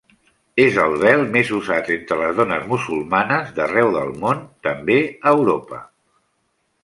És el vel més usat entre les dones musulmanes d'arreu del món, també a Europa.